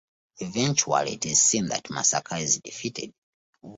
Eventually, it is seen that Masaka is defeated.